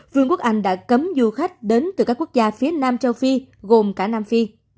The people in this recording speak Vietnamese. vương quốc anh đã cấm du khách đến từ các quốc gia phía nam châu phi gồm cả nam phi